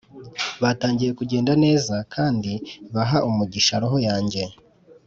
batangiye kugenda neza kandi baha umugisha roho yanjye